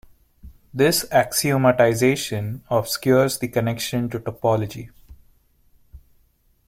This axiomatization obscures the connection to topology.